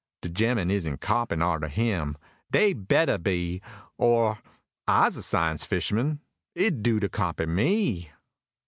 De gemmen isn't copyin' arter him dey bettah be! Or I's a science fisherman 't'd do to copy me.